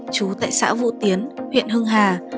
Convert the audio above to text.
chú tại xã vũ tiến huyện hưng hà